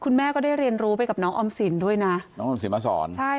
คุณแม่ก็ได้เรียนรู้ไปกับน้องออมสินด้วยนะน้องออมสินมาสอนใช่